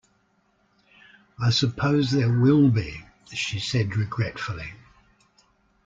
"I suppose there will be," she said regretfully.